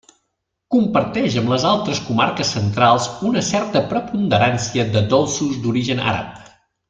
Comparteix amb les altres comarques centrals una certa preponderància de dolços d'origen àrab.